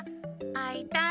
あいたい！